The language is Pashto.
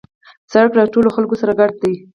سړک له ټولو خلکو سره ګډ دی.